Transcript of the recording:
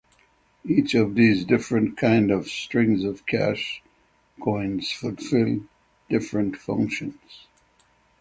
Each of these different kind of strings of cash coins fulfilled different functions.